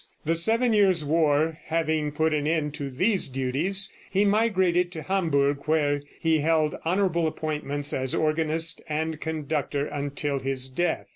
The seven years' war having put an end to these duties, he migrated to Hamburg, where he held honorable appointments as organist and conductor until his death.